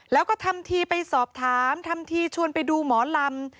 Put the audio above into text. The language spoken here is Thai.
แล้วก็ทำทีไปสอบถามทำทีชวนไปดูหมอลำ